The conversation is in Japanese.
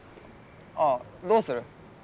ああどうする？